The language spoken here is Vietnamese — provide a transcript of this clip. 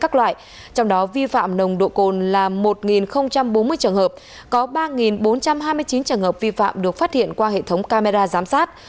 trong đó vi phạm nồng độ cồn là một bốn mươi trường hợp có ba bốn trăm hai mươi chín trường hợp vi phạm được phát hiện qua hệ thống camera giám sát